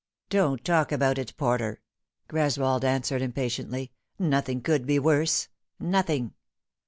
" Don't talk about it, Porter," Greswold answered impa tiently ;" nothing could be worse nothing.